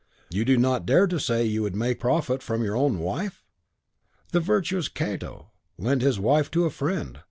"You do not dare to say you would make profit from your own wife?" "The virtuous Cato lent his wife to a friend.